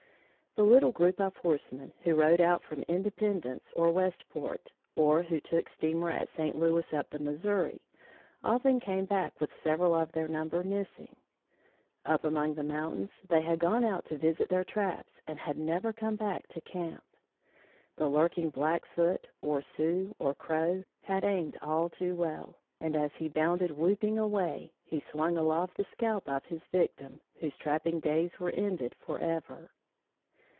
The little group of horsemen, who rode out from Independence or Westport, or who took steamer at St. Louis up the Missouri, often came back with several of their number missing. Up among the mountains, they had gone out to visit their traps and had never come back to camp. The lurking Blackfoot, or Sioux, or Crow, had aimed all too well, and, as he bounded whooping away, he swung aloft the scalp of his victim whose trapping days were ended forever.